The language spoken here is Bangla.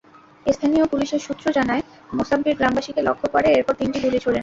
স্থানীয় পুলিশের সূত্র জানায়, মোসাব্বির গ্রামবাসীকে লক্ষ্য করে পরপর তিনটি গুলি ছোড়েন।